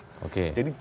jadi jelas substansinya